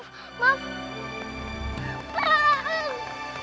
kembaliin maura di kisah putri maura